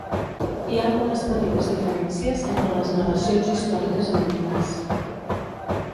Hi ha algunes petites diferències entre les narracions històriques antigues.